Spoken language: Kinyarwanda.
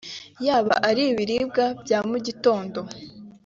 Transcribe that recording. yaba ari ibiribwa bya mu gitondo